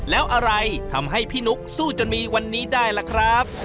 แล้วอะไรทำให้พี่นุ๊กสู้จนมีวันนี้ได้ล่ะครับ